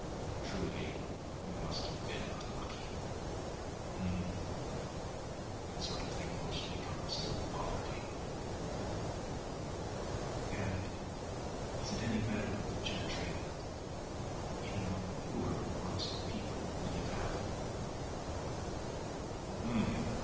Truly, you must have been unlucky. H'm! ... that sort of thing mostly comes about through poverty." "And is it any better with the gentry? Even among the poor, honest people who live happily?" "H'm